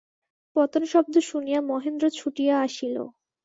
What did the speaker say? পতনশব্দ শুনিয়া মহেন্দ্র ছুটিয়া আসিল।